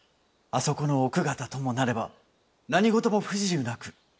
あそこの奥方ともなれば何事も不自由なく。